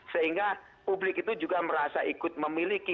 sehingga publik itu juga merasa ikut memiliki